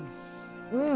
うん！